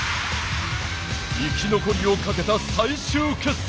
生き残りをかけた最終決戦。